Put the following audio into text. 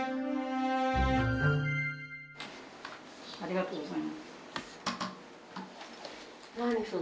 ありがとうございます。